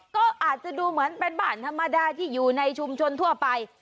ก็อาจจะดูเหมือนเป็นบ้านธรรมดาที่อยู่ในชุมชนทั่วไป